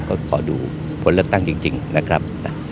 ก็ขอดูผลเลือกตั้งจริงนะครับ